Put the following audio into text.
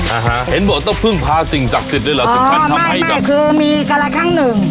อ่าฮะเห็นบอกต้องพึ่งพาสิ่งศักดิ์สิทธิ์ด้วยเหรออ๋อไม่ไม่คือมีกระละขั้งหนึ่ง